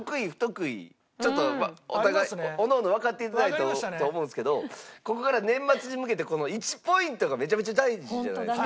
ちょっとお互いおのおのわかっていただいたと思うんですけどここから年末に向けて１ポイントがめちゃめちゃ大事じゃないですか。